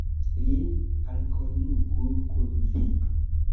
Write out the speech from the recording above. Lin alkonduku kun vi.